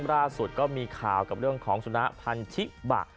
ล่าสุดก็มีข่าวกับเรื่องของสุนัขพันธิบะ